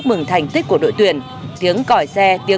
vâng thưa quý vị